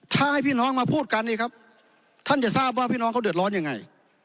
ถ้าให้พี่น้องมาพูดกันนี่ครับท่านจะทราบว่าพี่น้องเขาเดือดร้อนยังไง